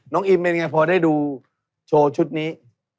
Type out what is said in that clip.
น้องอิมเป็นอย่างไรพอได้ดูโชว์ชุดนี้